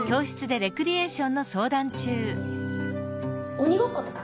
おにごっことか？